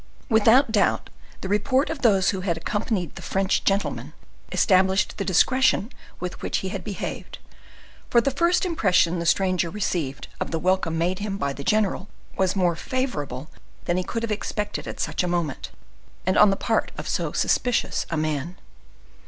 Without doubt, the report of those who had accompanied the French gentleman established the discretion with which he had behaved, for the first impression the stranger received of the welcome made him by the general was more favorable than he could have expected at such a moment, and on the part of so suspicious a man.